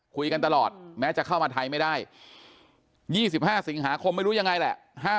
คุยกันตลอดแม้จะเข้ามาไทยไม่ได้๒๕สิงหาคมไม่รู้ยังไงแหละ